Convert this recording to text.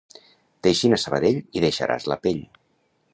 Teixint a Sabadell hi deixaràs la pell.